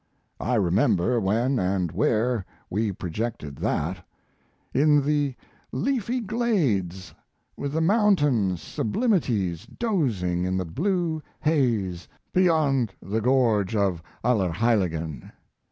I remember when and where we projected that: in the leafy glades with the mountain sublimities dozing in the blue haze beyond the gorge of Allerheiligen.